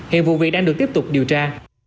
hiện vụ việc đang được tiếp tục điều tra